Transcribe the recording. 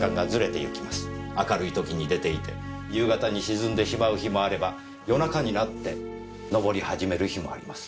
明るい時に出ていて夕方に沈んでしまう日もあれば夜中になって昇り始める日もあります。